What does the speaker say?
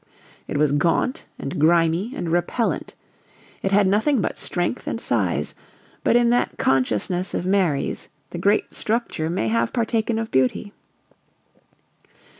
It was gaunt and grimy and repellent; it had nothing but strength and size but in that consciousness of Mary's the great structure may have partaken of beauty.